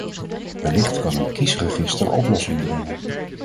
Wellicht kan een kiesregister oplossing brengen.